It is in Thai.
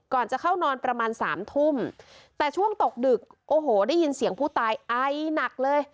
ก่อนจะเข้านอนประมาณสามทุ่มแต่ช่วงตกดึกโอ้โหได้ยินเสียงผู้ตายไอหนักเลย